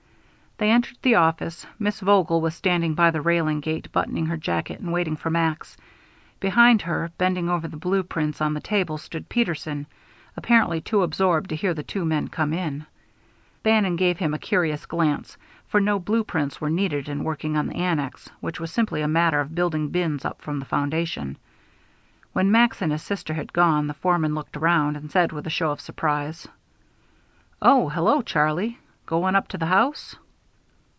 They entered the office. Miss Vogel was standing by the railing gate, buttoning her jacket and waiting for Max. Behind her, bending over the blue prints on the table, stood Peterson, apparently too absorbed to hear the two men come in. Bannon gave him a curious glance, for no blue prints were needed in working on the annex, which was simply a matter of building bins up from the foundation. When Max and his sister had gone the foreman looked around, and said, with a show of surprise: "Oh, hello, Charlie. Going up to the house?"